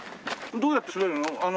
どうやって滑るの？